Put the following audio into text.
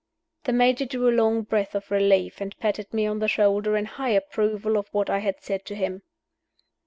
The Major drew a long breath of relief, and patted me on the shoulder in high approval of what I had said to him.